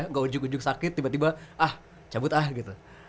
nggak ujug ujug sakit tiba tiba ah cabut ah gitu